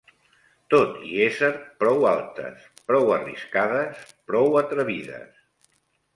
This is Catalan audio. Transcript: Tot i ésser prou altes, prou arriscades, prou atrevides